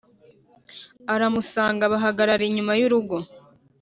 aramusanga bahagarara inyuma yurugo